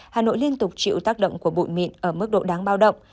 hà nội liên tục chịu tác động của bụi mịn ở mức độ đáng bao động